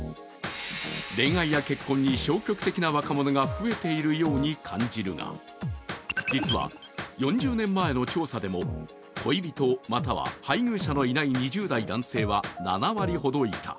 恋愛や結婚に消極的な若者が増えているように感じるが、実は４０年前の調査でも恋人または配偶者のいない２０代男性は７割ほどいた。